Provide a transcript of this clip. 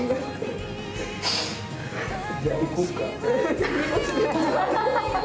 じゃあ、行こうか。